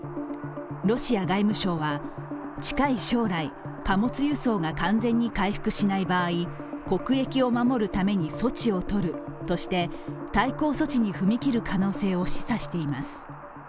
ロシア外務省は、近い将来、貨物輸送が完全に回復しない場合、国益を守るために措置を取るとして対抗措置に踏み切る可能性を示唆しています。